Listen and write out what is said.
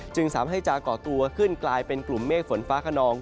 จึงสามารถจะก่อตัวขึ้นกลายเป็นกลุ่มเมฆฝนฟ้าขนอง